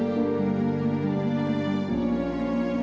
kamu suka se doing